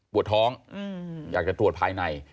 ปวดท้องอยากจะตรวจภายใน